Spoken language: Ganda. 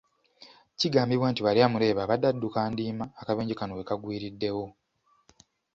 Kigambibwa nti Baryamureeba abadde adduka ndiima akabenje kano we kagwiriddewo.